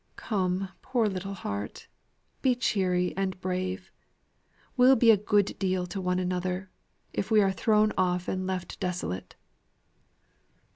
Come! poor little heart! be cheery and brave. We'll be a great deal to one another, if we are thrown off and left desolate."